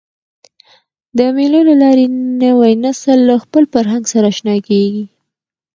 د مېلو له لاري نوی نسل له خپل فرهنګ سره اشنا کېږي.